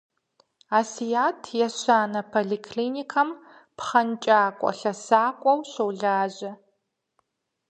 Асият ещанэ поликлиникэм пхъэнкӏакӏуэ-лъэсакӏуэу щолажьэ.